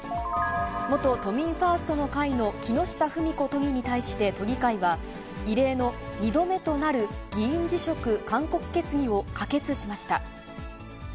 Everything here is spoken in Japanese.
元都民ファーストの会の木下富美子都議に対して都議会は異例の２度目となる議員辞職勧告決議を可決しました。